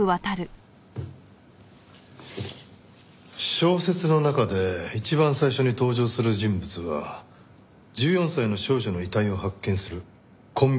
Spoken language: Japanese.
小説の中で一番最初に登場する人物は１４歳の少女の遺体を発見するコンビニの店員。